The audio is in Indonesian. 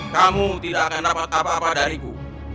kamu tidak akan dapat apa apa dariku